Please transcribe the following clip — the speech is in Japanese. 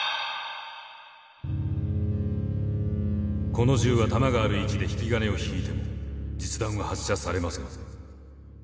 この銃は弾がある位置で引き金を引いても実弾は発射されません。